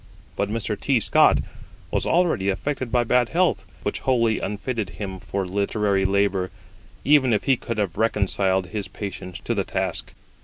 But Mr. T. Scott was already affected by bad health, which wholly unfitted him for literary labour, even if he could have reconciled his patience to the task.